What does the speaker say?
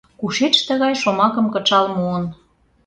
Кушеч тыгай шомакым кычал муын?